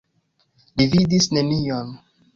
Li vidis nenion.